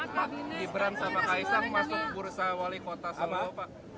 pak gibran sama kaisang masuk bursa wali kota solo pak